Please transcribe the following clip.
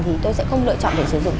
thì tôi sẽ không lựa chọn để sử dụng